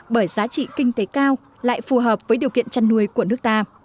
bởi giá trị kinh tế cao lại phù hợp với điều kiện chăn nuôi của nước ta